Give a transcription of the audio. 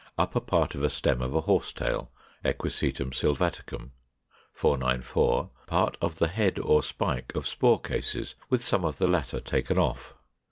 Upper part of a stem of a Horsetail, Equisetum sylvaticum. 494. Part of the head or spike of spore cases, with some of the latter taken off.